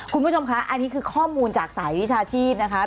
คุณผู้ชมคะอันนี้คือข้อมูลจากสายวิชาชีพนะคะ